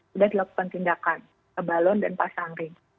sudah dilakukan tindakan balon dan pasang ring